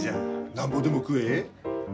なんぼでも食え。